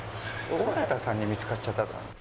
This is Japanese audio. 尾形さんに見付かっちゃったら。